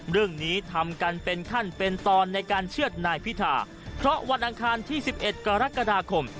เรื่องนี้ทำกันเป็นขั้นเป็นตอนในการเชื่อดนายพิธาเพราะวันอังคารที่๑๑กรกฎาคม